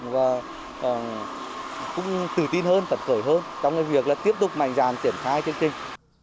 và cũng tự tin hơn phật cởi hơn trong việc tiếp tục mạnh dàn triển khai chương trình